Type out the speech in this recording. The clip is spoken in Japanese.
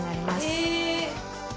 え。